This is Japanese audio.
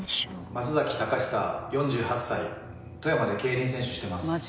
松崎貴久４８歳富山で競輪選手してます。